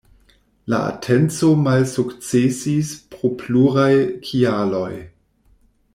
La atenco malsukcesis pro pluraj kialoj.